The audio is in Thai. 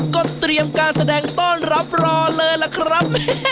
ก็เตรียมการแสดงต้อนรับรอเลยล่ะครับ